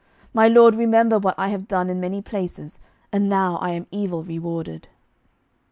My lord, remember what I have done in many places, and now I am evil rewarded."